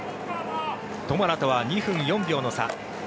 トマラとは２分４秒の差。